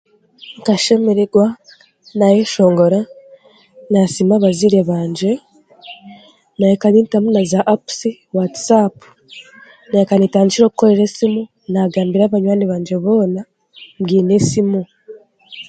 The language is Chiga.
Nkashemererwa naayeshongora naasiima abazaire bangye nahiika nintamu naza apusi watisaapu nika nintandikiraho kukoresa esimu naagambiraho banywani bangye boona mbwine esimu